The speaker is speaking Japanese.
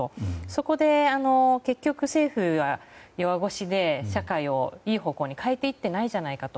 そこで結局、政府は弱腰で社会をいい方向に変えていってないじゃないかと。